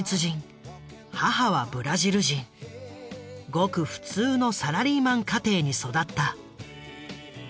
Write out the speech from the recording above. ごく普通のサラリーマン家庭に育った。